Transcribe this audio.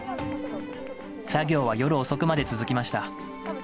作業は夜遅くまで続きました。